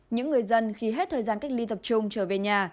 những người dân khi hết thời gian cách ly tập trung trở về nhà